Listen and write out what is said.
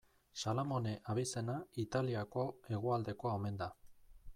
Salamone abizena Italiako hegoaldekoa omen da.